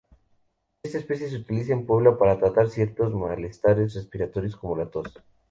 Esta especie se utiliza en Puebla para tratar ciertos malestares respiratorios como la tos.